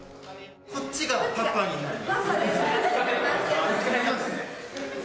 こっちがパパになります。